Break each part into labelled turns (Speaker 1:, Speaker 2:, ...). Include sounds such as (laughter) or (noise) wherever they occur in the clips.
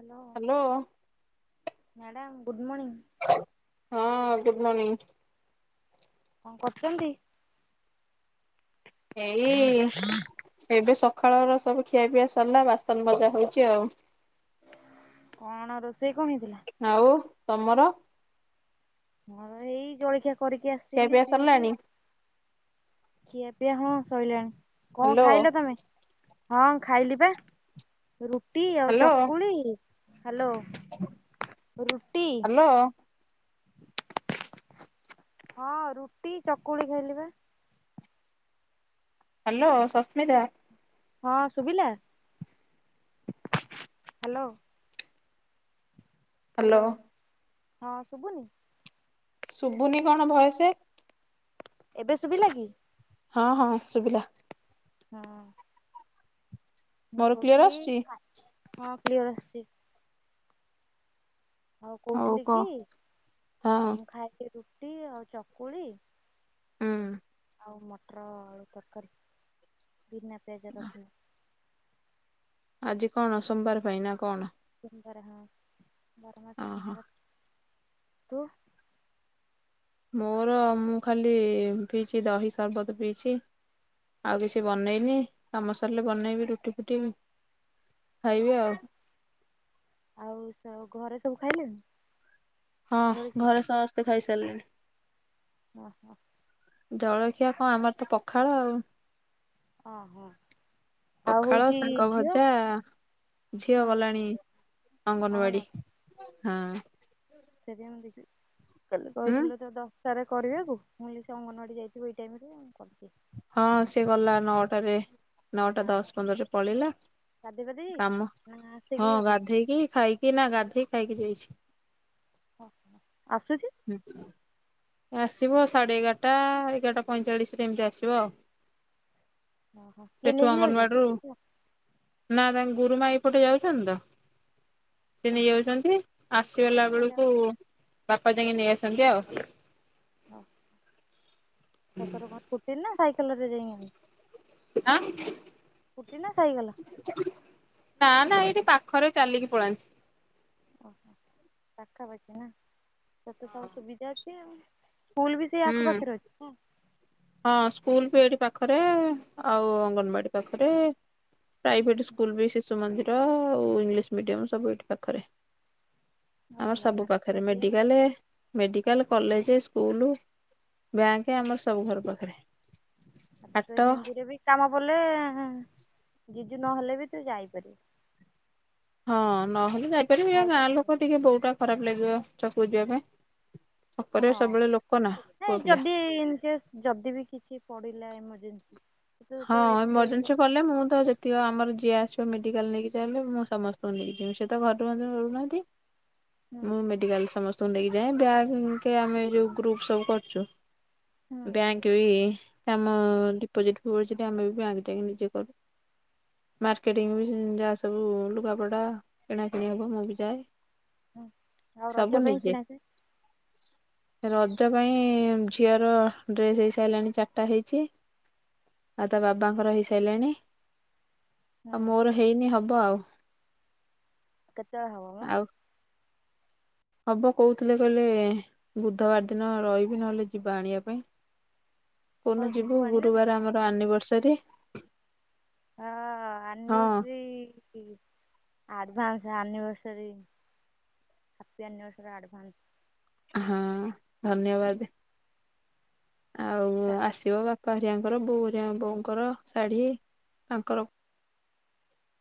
Speaker 1: Hello
Speaker 2: hello
Speaker 1: madam good morning.
Speaker 2: ହଁ good morning.
Speaker 1: କଁ କରୁଚନ୍ତି?
Speaker 2: ଏଇ ଏବେ ସକାଳର ସବୁ ଖିଆ ପିଆ ସରିଲା ବାସନ ମଜା ହଉଚି ଆଉ।
Speaker 1: କଣ ରୋଷେଇ କଣ ହେଇଥିଲା?
Speaker 2: ଆଉ ତମର?
Speaker 1: ମୋର ଏଇ ଜଳଖିଆ କରିକି
Speaker 2: ଖିଆ
Speaker 1: ଆସିଲି
Speaker 2: ପିଆ
Speaker 1: ଡ୍ୟୁଟି
Speaker 2: ସରିଲାଣି?
Speaker 1: ଆଉ। ଖିଆ ପିଆ ହଁ ଶଇଲାଣି। କଣ
Speaker 2: ହ୍ୟାଲୋ।
Speaker 1: ଖାଇଲ ତମେ? ହଁ ଖାଇଲି ବା ରୁଟି ଆଉ
Speaker 2: ହ୍ୟାଲୋ।
Speaker 1: ଚକୁଳି ହାଲୋ ରୁଟି।
Speaker 2: ଲୋ
Speaker 1: ହଁ ରୁଟି ଚକୁଳି ଖାଇଲି ବା।
Speaker 2: ହାଲୋ ସସ୍ମିତା।
Speaker 1: ହଁ ଶୁଭିଲା? ହାଲୋ।
Speaker 2: ହ୍ୟାଲୋ।
Speaker 1: ହାଲୋ ହଁ ଶୁଭୁନି?
Speaker 2: ଶୁଭୁନି କଣ ଭୟସେ?
Speaker 1: ଏବେ ଶୁଭିଲା କି?
Speaker 2: ହଁ ହଁ ଶୁଭିଲା।
Speaker 1: ହଁ। ମୁଁ
Speaker 2: ମୋର କ୍ଲିୟର
Speaker 1: କହୁଥିଲି
Speaker 2: ଆସୁଛି?
Speaker 1: କି ହଁ କ୍ଲିଅର ଆସିଛି। ଆଉ
Speaker 2: ହଉ
Speaker 1: କହୁଥିଲି
Speaker 2: କହ।
Speaker 1: କି
Speaker 2: ହଁ।
Speaker 1: ମୁଁ ଖାଇଲି ରୁଟି ଆଉ ଚକୁଳି
Speaker 2: ହୁଁ
Speaker 1: ଆଉ ମଟର ଆଳୁ ତରକାରୀ ବିନା ପିଆଜ ରସୁଣ।
Speaker 2: ଆଜି କଣ ସୋମବାର ପାଇଁନା କଣ?
Speaker 1: ସୋମବାରେ ହଁ ବାର ମାସ
Speaker 2: ଓହୋ।
Speaker 1: ସୋମବାରେ ତୁ-
Speaker 2: ମୋର ମୁଁ ଖାଲି ପିଇଛି ଦହି ସର୍ବତ ପିଇଛି। ଆଉ କିଛି ବନେଇନି କାମ ସାରିଲେ ବନେଇବି ରୁଟି ଫୁଟି। ଖାଇବେ ଆଉ।
Speaker 1: ଆଉ ସ ଘରେ ସବୁ ଖାଇଲେଣିି
Speaker 2: ହଁ ଘରେ ସମସ୍ତେ ଖାଇସାରିଲେଣି।
Speaker 1: ହଁ ହଁ
Speaker 2: ଜଳଖିଆ କଣ ଆମର ତ ପଖାଳ ଆଉ।
Speaker 1: ଅ ହୋ
Speaker 2: ପଖାଳ ସାଙ୍ଗ ଭଜା ଝିଅ
Speaker 1: ହଁ
Speaker 2: ଗଲାଣି ଅଙ୍ଗନବାଡି ହଁ।
Speaker 1: ସେଦିନ ମୁଁ ଦେଖି କ
Speaker 2: ଉଁ
Speaker 1: କହିଥିଲ ତ ତ। ପରେ କରିବାକୁ ମୁଁ ସେ ଅଙ୍ଗନୱଡି ଯାଇଛିିବ ଏଇ ଟାଇମରେ କର୍ ଦିଏ।
Speaker 2: ହଁ ସିଏ ଗଲା ନଅଟାରେ ନଅଟା ଦଶ ପନ୍ଦରରେ ପଳେଇଲା।
Speaker 1: ଗାଧେଇ ପାଧେଇ ଯାଇଛି?
Speaker 2: କାମ
Speaker 1: ନା ଆସିକି
Speaker 2: ହଁ
Speaker 1: ଗାଧୋଉଛି
Speaker 2: ଗାଧେଇକି ଖାଇକି ନା ଗାଧେଇ ଖାଇକି ଯାଇଛି।
Speaker 1: ହଁ ହ ଆସୁଛି
Speaker 2: ହୁଁ। ଆସିବ ସାଢ଼େ ଏଗାରଟା ଏଗାରଟା ପଇଁଚାଳିଶରେ ଏମିତି ଆସିବ ଆଉ।
Speaker 1: ଓହୋ କିଏ
Speaker 2: ସେଠୁ
Speaker 1: ନେଇକି
Speaker 2: ଅଙ୍ଗନବାଡିରୁୁ
Speaker 1: ଯାଉଛନ୍ତି?
Speaker 2: ନା ତାଙ୍କ ଗୁରୁମା ଏପଟେ ଯାଉଛନ୍ତି ତ। ସେ ନେଇ
Speaker 1: ଓହୋ
Speaker 2: ଯାଉଛନ୍ତି
Speaker 1: ନେଇକି
Speaker 2: ଆସିଗଲା
Speaker 1: ଯାଉଛନ୍ତି ଆଇଲା
Speaker 2: ବେଳକୁ ବାପା ଯାଇକି ନେଇ ଆସନ୍ତି ଆଉ।
Speaker 1: ହଁ ଶଶୁର କଣ ସ୍କୁଟିରେ ନା ସାଇକେଲରେ ଯାଇ ଆ
Speaker 2: ଆ। ନା ନା ଏଇଠି ପାଖରେ ଚାଲିକି ପଳାନ୍ତି।
Speaker 1: ଓହୋ ପାଖାପାଖି ନା ସେତେ ସବୁ ସୁବିଧା ଅଛି। ସ୍କୁଲ୍ ବି ସେଇ
Speaker 2: ହୁଁ
Speaker 1: ଆଖପାଖରେ ଅଛି।
Speaker 2: ହଁ ସ୍କୁଲ ବି ଏଠି ପାଖରେ ଆଉ ଅଙ୍ଗନବାଡି ପାଖରେ। ପ୍ରାଇଭେଟ ସ୍କୁଲ ବି ଶିଶୁ ମନ୍ଦିର ଆଉ ଇଂଲିଶ ମିଡିମ ସବୁ ଏଠି ପାଖରେ।
Speaker 1: ନା
Speaker 2: ଆ
Speaker 1: ଭଲ
Speaker 2: ସବୁ
Speaker 1: ମାର୍କ
Speaker 2: ପାଖରେ
Speaker 1: ଇଏ ଆଉ
Speaker 2: medical medical college school bank ଆମର ସବୁ ଘର ପାଖରେ।
Speaker 1: ଆଉ ତୁ ତୁ
Speaker 2: ହାଟ
Speaker 1: ସେମିତିରେ ବି କାମ ପଲେ ଜିଜୁ ନହେଲେ ବି ତୁ ଯାଇପାରିବୁ।
Speaker 2: ହଁ ନହେଲେ ଯାଇପାରିବି
Speaker 1: ଭାଇ
Speaker 2: ଗାଁ ଲୋକ ଟିକେ ବୋଉ ଟା ଖରାପ ଲାଗିବ ଛକକୁ ଯିବା ପାଇଁ। ଛକରେ ସବୁବେଳେ ଲୋକ ନା
Speaker 1: ହଁ
Speaker 2: ପୁଅ ପିଲା
Speaker 1: ଯଦି ସେ ଯଦି ବି କିଛି ପଡିଲା ଏମର୍ଜେନ୍ସି ତୁ
Speaker 2: ହଁ
Speaker 1: ତ ଏକୁଟିଆ ବି
Speaker 2: ଏମର୍ଜେନ୍ସି
Speaker 1: ଯାଇକି
Speaker 2: ପଲେ ମୁଁ
Speaker 1: କଣ
Speaker 2: ତ ଆମର ଯିଏ ଆସିବ ମେିକାଲ ନେଇକି ଚାହିଁଲେ ମୁଁ ସମସ୍ତଙ୍କୁ ନେଇକି ଯିବି ସେ ତ ଘରୁ ମଧ୍ୟ ରୁନାହାନ୍ତି।
Speaker 1: ହ
Speaker 2: ମୁଁ ମେଡିକାଲ ସମସ୍ତଙ୍କୁ ନେଇକିଯାଏ ବ୍ୟାଙ୍କେ ଆମେ ଯୋଉ ଗ୍ରୁପ ସବୁ କରୁଛୁ।
Speaker 1: ହୁଁ
Speaker 2: ବ୍ୟାଙ୍କେ ବି କାମ ଡିପୋଜିଟି। (inaudible) ଆମେ ବି ବ୍ୟାଙ୍କ ଟେକେ ନିଜେ କରୁଛୁ
Speaker 1: ହୁଁ
Speaker 2: ମାର୍କେଟିଙ୍ଗି ବି ଯା ସବୁ ଲୁଗାପଟା କିଣାକିଣି ହେବ ମୁଁ ବି ଯାଏ।
Speaker 1: ହୁଁ। ଆଉ ରଜ
Speaker 2: ସବୁ
Speaker 1: ପାଇଁ
Speaker 2: ନିଜେ।
Speaker 1: କିଣାକିଣି
Speaker 2: ରଜ ପାଇଁ ଝିଅର ଡ୍ରେସ ହେଇସାରିଲାଣି ଚାରିଟା ହେଇଛି। ଆଉ ତା ବାବାଙ୍କର ହେଇସାରିଲାଣି ଆଉ
Speaker 1: ହୁଁ
Speaker 2: ମୋର ହେଇନି ହବ ଆଉ।
Speaker 1: କେତେବେଳେ ହବ ବା।
Speaker 2: ଆଉ ହବ କହୁଥିଲେ କହିଲେ ବୁଧବାର ଦିନ ରହିବି ନହେଲେ ଯିବା ଆଣିବା ପାଇଁ। କୋଉ
Speaker 1: ହଉ
Speaker 2: ଦିନ ଯିବୁ
Speaker 1: ଆଣିବା ପାଇଁ
Speaker 2: ଗୁରୁବାର ଆମର ଆନିଭର୍ସରୀ।
Speaker 1: ହଁ
Speaker 2: ହଁ
Speaker 1: ଆନିଭରସରି। ହୁଁ advance anniversary happy anniversary advance.
Speaker 2: ହଁ ଧନ୍ୟବାଦେ। ଆଉ ଆସିବ ବାପା ହେରିକାଙ୍କର ବୋଉ ହେରିକା ବୋଉଙ୍କର ଶାଢ଼ୀ ତାଙ୍କର।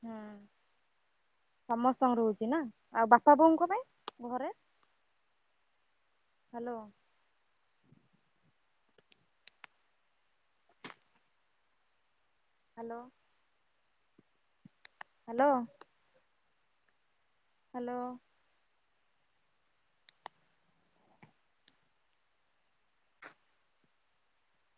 Speaker 1: ହୁଁ ସମସ୍ତଙ୍କର ରହୁଛି ନା ଆଉ ବାପା, ବୋଉଙ୍କ ପାଇଁ ଘରେ। ହାଲୋ। ହାଲୋ। ହାଲୋ। ହାଲୋ।